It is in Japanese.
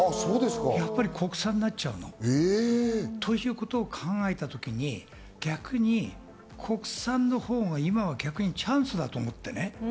やっぱり国産になっちゃうの。ということを考えたときに、国産のほうが逆にチャンスだと思って。